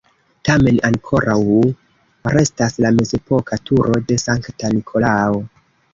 Tamen ankoraŭ restas la mezepoka turo de Sankta Nikolao.